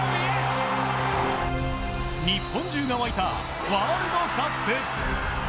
日本中が沸いたワールドカップ。